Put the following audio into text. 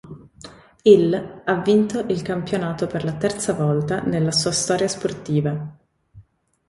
Il ha vinto il campionato per la terza volta nella sua storia sportiva.